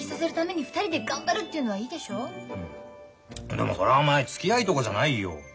でもそれはお前つきあいとかじゃないよ。